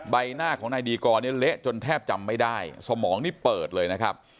ใบหน้าของนายดีกรเนี่ยเละจนแทบจำไม่ได้สมองนี่เปิดเลยนะครับ